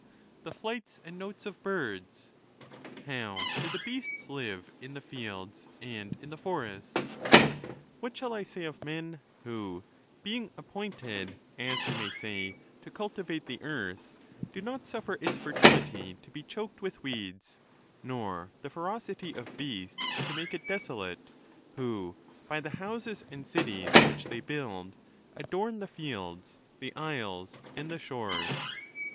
The flights and notes of birds ? How do the beasts live in the fields and in the forests? What shall I say of men, who, being appointed, as we may say, to culti vate the earth, do not suffer its fertility to be choked with weeds, nor the ferocity of beasts to make it desolate; who, by the ht)nses and cities which they build, adorn the fields, the isles, and the shores